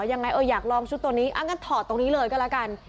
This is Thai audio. อยากลองชุดตัวนี้อ้างั้นถอดตรงนี้เลยก็แล้วกัน